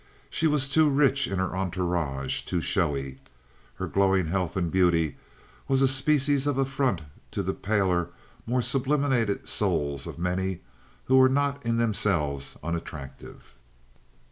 She was too rich in her entourage, too showy. Her glowing health and beauty was a species of affront to the paler, more sublimated souls of many who were not in themselves unattractive.